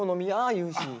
言うし。